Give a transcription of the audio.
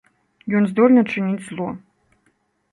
Ён здольны чыніць зло.